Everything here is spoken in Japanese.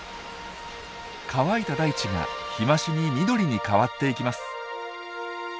乾いた大地が日増しに緑に変わっていきます。